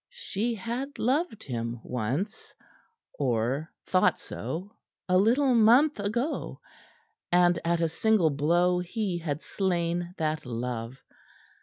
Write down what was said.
She had loved him once or thought so, a little month ago and at a single blow he had slain that love.